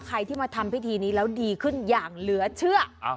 ใครที่มาทำพิธีนี้แล้วดีขึ้นอย่างเหลือเชื่อ